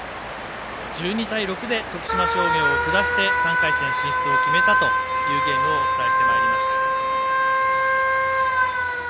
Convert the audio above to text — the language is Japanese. １２対６で徳島商業を下して３回戦進出を決めたというゲームをお伝えしてまいりました。